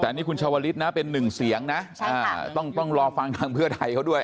แต่นี่คุณชาวลิศนะเป็นหนึ่งเสียงนะต้องรอฟังทางเพื่อไทยเขาด้วย